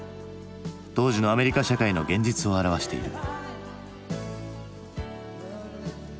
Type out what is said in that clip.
当時のアメリカ社会の現実を表している。